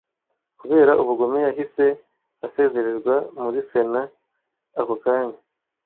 kubera ubugome yahise asezererwa muri Sena ako kanya